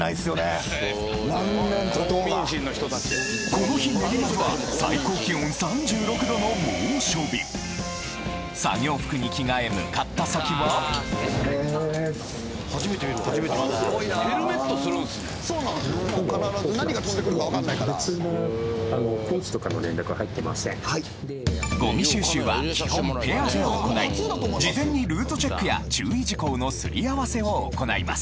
この日練馬区は作業服に着替え向かった先はごみ収集は基本ペアで行い事前にルートチェックや注意事項のすり合わせを行います！